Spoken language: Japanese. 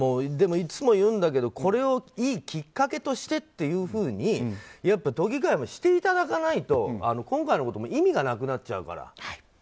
でも、いつも言うんだけどこれを、いいきっかけとしてっていうふうにやっぱり都議会もしていただかないと今回のことも意味がなくなっちゃうから。